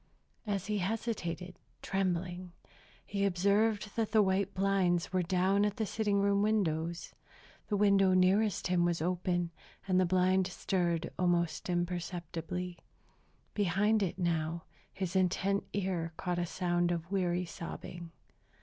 As he hesitated, trembling, he observed that the white blinds were down at the sitting room windows. The window nearest him was open, and the blind stirred almost imperceptibly. Behind it, now, his intent ear caught a sound of weary sobbing.